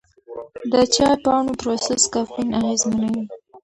د چای پاڼو پروسس کافین اغېزمنوي.